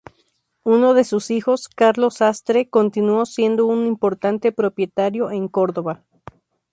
Uno de sus hijos, Carlos Sastre, continuó siendo un importante propietario en Córdoba.